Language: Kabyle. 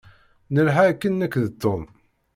Nelḥa akken nekk d Tom.